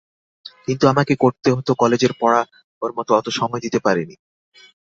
কিন্তু আমাকে করতে হত কলেজের পড়া, ওর মতো অত সময় দিতে পারি নি।